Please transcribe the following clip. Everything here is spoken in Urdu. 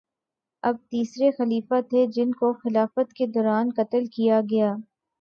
آپ تیسرے خلیفہ تھے جن کو خلافت کے دوران قتل کیا گیا